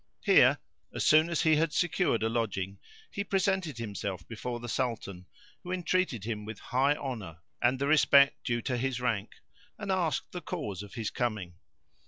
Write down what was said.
Here, as soon as he had secured a lodging, he presented himself before the Sultan, who entreated him with high honour and the respect due to his rank, and asked the cause of his coming.